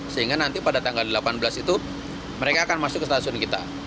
sehingga nanti pada tanggal delapan belas itu mereka akan masuk ke stasiun kita